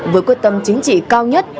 với quyết tâm chính trị cao nhất